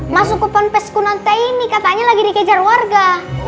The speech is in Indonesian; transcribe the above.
masuk ke pempes kunante ini katanya lagi dikejar warga